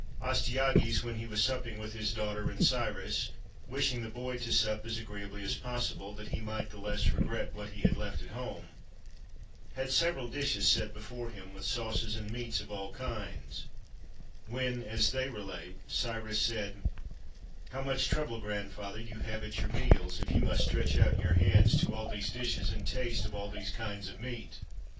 Astyages, when he was supping with his daughter and Cyrus, wishing the boy to sup as agreeably as pos sible, that he might the less regret what he had left at home, had several dishes set before him, with sauces and meats of all kinds ; when, as they relate, Cyrus said :— "How much trouble, grandfather, you have at your meals, if you must stretch out your hands to all these dishes, and taste of all these kinds of meat!"